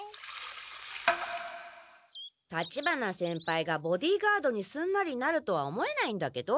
立花先輩がボディーガードにすんなりなるとは思えないんだけど？